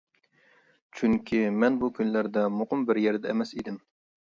چۈنكى، مەن بۇ كۈنلەردە مۇقىم بىر يەردە ئەمەس ئىدىم.